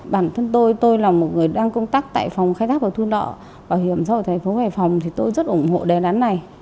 bản thân tôi tôi là một người đang công tác tại phòng khai thác và thu nọ bảo hiểm xã hội thành phố hải phòng thì tôi rất ủng hộ đề án này